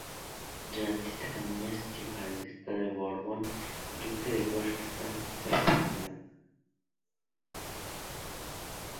Durante esta campaña, su tío, Francisco de Borbón, duque de Beaufort, fue asesinado.